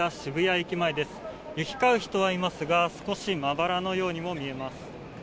行き交う人はいますが少しまばらのようにも見えます。